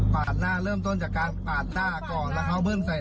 เป็นมาถ้าร้ายมีเด็กเยอะต้วย